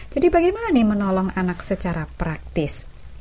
jadi bagaimana menolong anak secara praktis